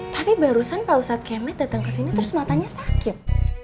tapi barusan pak ustadz kemet datang ke sini terus matanya sakit